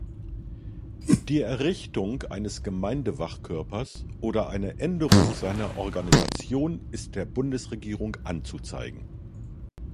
Die Errichtung eines Gemeindewachkörpers oder eine Änderung seiner Organisation ist der Bundesregierung anzuzeigen.